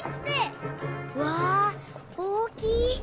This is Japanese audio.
わ大きい！